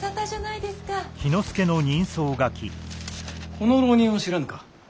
この浪人を知らぬか？